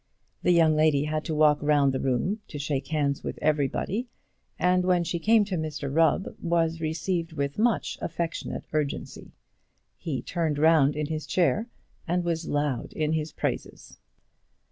The young lady had to walk round the room to shake hands with everybody, and when she came to Mr Rubb, was received with much affectionate urgency. He turned round in his chair and was loud in his praises.